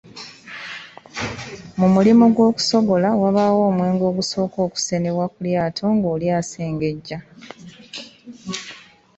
Mu mulimu gw’okusogola wabaawo omwenge ogusooka okusenebwa ku lyato ng’oli asengejja.